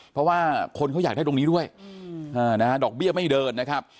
เพราะว่าคนเขาอยากได้ตรงนี้ด้วยดอกเบี้ยไม่เดินนะครับ